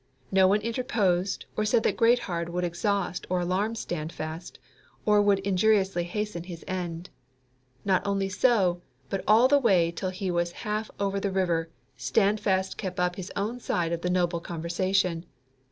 No one interposed, or said that Greatheart would exhaust or alarm Standfast, or would injuriously hasten his end. Not only so, but all the way till he was half over the river, Standfast kept up his own side of the noble conversation.